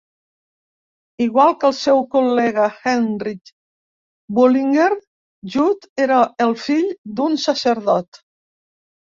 Igual que el seu col·lega Heinrich Bullinger, Jud era el fill d'un sacerdot.